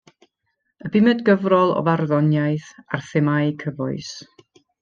Y bumed gyfrol o farddoniaeth ar themâu cyfoes.